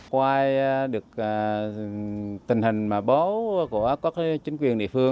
qua tình hình bố của chính quyền địa phương